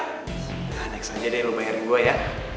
nah next aja deh lu bayarin gua ya